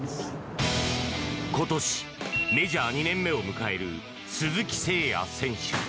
今年、メジャー２年目を迎える鈴木誠也選手。